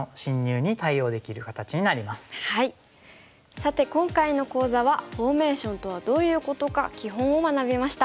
さて今回の講座はフォーメーションとはどういうことか基本を学びました。